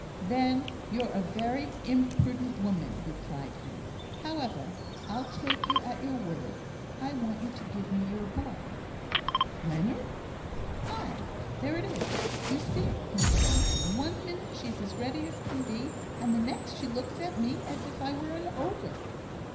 "Then you're a very imprudent woman," replied he; "however, I'll take you at your word. I want you to give me your boy." "Leonard!" "Aye! there it is, you see, Mr Benson. One minute she is as ready as can be, and the next, she looks at me as if I was an ogre!"